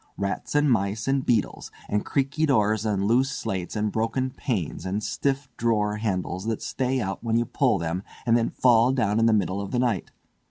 Rats and mice, and beetles; and creaky doors, and loose slates, and broken panes, and stiff drawer handles, that stay out when you pull them and then fall down in the middle of the night.